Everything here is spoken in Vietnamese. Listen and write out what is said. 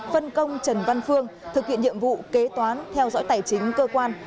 phân công trần văn phương thực hiện nhiệm vụ kế toán theo dõi tài chính cơ quan